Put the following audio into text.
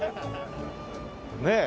ねえ。